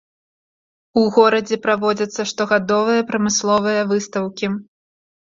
У горадзе праводзяцца штогадовыя прамысловыя выстаўкі.